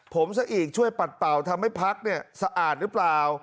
ผมซะอีกช่วยปัดเป่าทำให้พักเนี่ยสะอาดหรือเปล่า